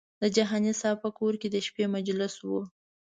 د جهاني صاحب په کور کې د شپې مجلس و.